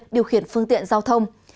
điều khiển phương tiện giao thông